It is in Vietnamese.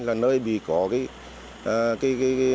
là nơi bị có cái